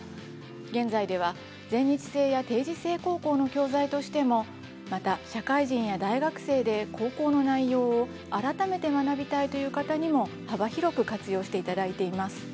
現在では、全日制や定時制高校の教材としてもまた、社会人や大学生で高校の内容を改めて学びたいという方にも幅広く活用していただいています。